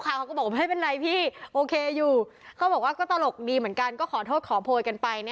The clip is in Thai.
เขาก็บอกว่าก็ตลกดีเหมือนกันขอโทษขอโพยกันไป